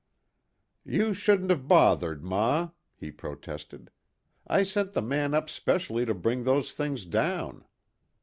"You shouldn't have bothered, ma," he protested. "I sent the man up specially to bring those things down."